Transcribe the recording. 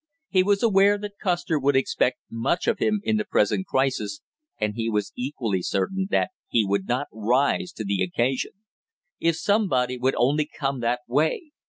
He was aware that Custer would expect much of him in the present crisis, and he was equally certain that he would not rise to the occasion. If somebody would only come that way!